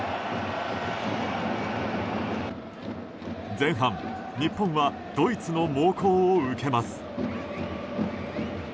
前半、日本はドイツの猛攻を受けます。